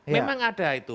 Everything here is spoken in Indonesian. memang ada itu